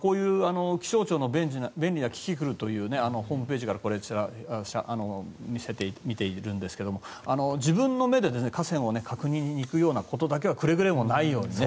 気象庁のキキクルという便利なホームページをこちら見ているんですが自分の目で河川を確認に行くようなことだけはくれぐれもないように。